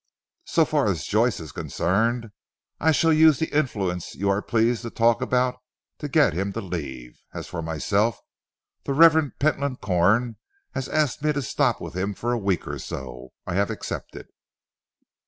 "So far as Joyce is concerned I shall use the influence you are pleased to talk about to get him to leave. As for myself, the Rev. Pentland Corn has asked me to stop with him for a week or so; I have accepted."